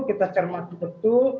kita cermati betul